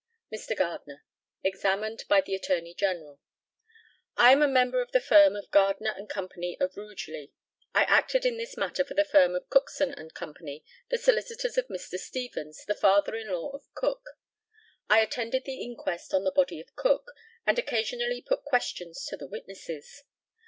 Mr. GARDNER, examined by the ATTORNEY GENERAL: I am a member of the firm of Gardner and Co., of Rugeley. I acted in this matter for the firm of Cookson and Co., the solicitors of Mr. Stevens, the father in law of Cook. I attended the inquest on the body of Cook, and occasionally put questions to the witnesses.